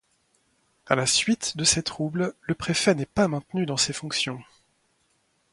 À la suite de ces troubles, le préfet n'est pas maintenu dans ses fonctions.